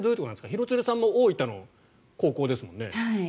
廣津留さんも大分の高校ですもんね？